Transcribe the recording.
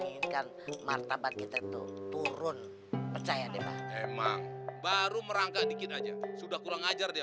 inginkan martabat kita tuh turun percaya dia emang baru merangkak dikit aja sudah kurang ajar dia